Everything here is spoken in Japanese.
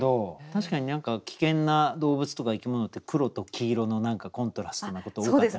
確かに何か危険な動物とか生き物って黒と黄色のコントラストなこと多かったりしますよね。